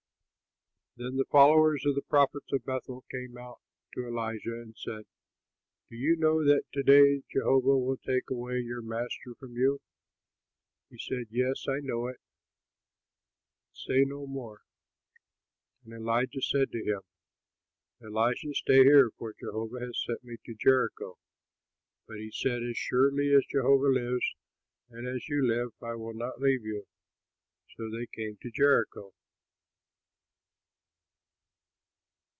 Then the followers of the prophets at Bethel came out to Elisha and said, "Do you know that to day Jehovah will take away your master from you?" He said, "Yes, I know it; say no more." And Elijah said to him, "Elisha, stay here, for Jehovah has sent me to Jericho." But he said, "As surely as Jehovah lives and as you live, I will not leave you." So they came to Jericho.